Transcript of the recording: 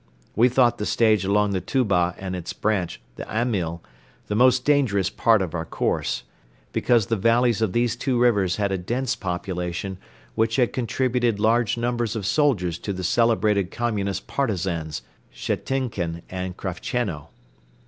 We thought the stage along the Tuba and its branch, the Amyl, the most dangerous part of our course, because the valleys of these two rivers had a dense population which had contributed large numbers of soldiers to the celebrated Communist Partisans, Schetinkin and Krafcheno.